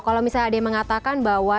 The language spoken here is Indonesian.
kalau misalnya ada yang mengatakan bahwa